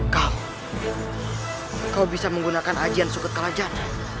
kau kau bisa menggunakan ajian suket kalajan